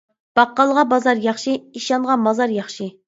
باققالغا بازار ياخشى، ئىشانغا مازار ياخشى.